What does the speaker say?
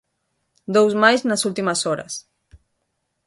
Dous máis nas últimas horas.